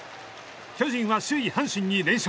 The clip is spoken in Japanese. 巨人は首位阪神に連勝。